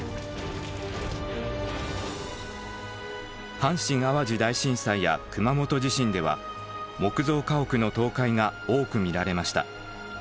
阪神・淡路大震災や熊本地震では木造家屋の倒壊が多く見られました。